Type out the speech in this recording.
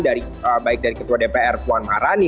dari baik dari ketua dpr puan maharani